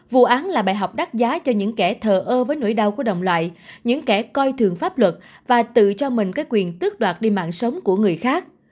vụ án là bài học đắt giá cho những kẻ thờ ơ với nỗi đau của động loại những kẻ coi thường pháp luật và tự cho mình cái quyền tước đoạt đi mạng sống của người khác